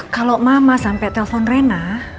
kalau mama sampai telpon rena